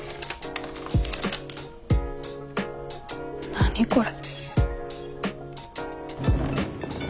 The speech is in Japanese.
何これ。